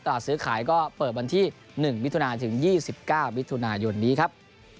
ตลาดซื้อขายก็เปิดบันที่๑วิทยุณาถึง๒๙วิทยุณาหยุดนี้ครับ